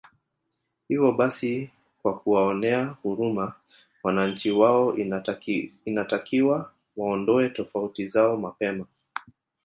Hivo basi kwa kuwaonea huruma wananchi wao inatakiwa waondoe tofauti zao mapema